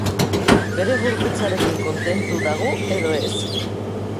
Bere gorputzarekin kontentu dago edo ez?